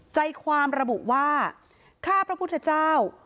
ใจความระบุว่า